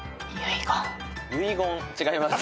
違います。